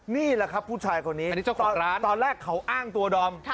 นี่แหละครับผู้ชายกว่านี้ตอนแรกเขาอ้างตัวดอม